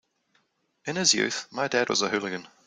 In his youth my dad was a hooligan.